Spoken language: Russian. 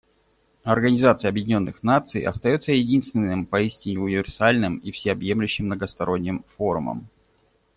Организация Объединенных Наций остается единственным поистине универсальным и всеобъемлющим многосторонним форумом.